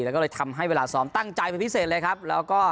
หนูฝันมาตั้งแต่ตอนหลับแล้ว